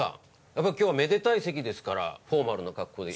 やっぱり今日はめでたい席ですからフォーマルな格好で。